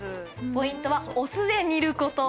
ポイントはお酢で煮ること。